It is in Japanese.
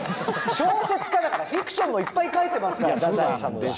小説家だからフィクションもいっぱい書いてますから太宰治は。